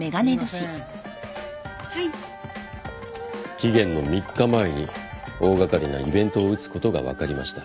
期限の３日前に大掛かりなイベントを打つことが分かりました。